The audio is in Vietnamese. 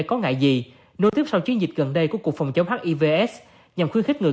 có ngại gì nối tiếp sau chiến dịch gần đây của cuộc phòng chống hiv s nhằm khuyến khích người